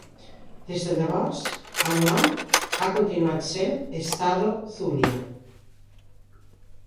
Des de llavors el nom ha continuat sent "Estado Zulia".